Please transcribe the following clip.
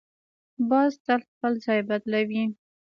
باز تل خپل ځای بدلوي